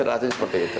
rasanya seperti itu